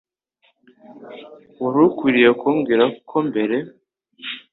Wari ukwiye kumbwira ko mbere.